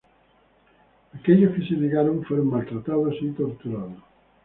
Aquellos que se negaron fueron maltratados y torturados.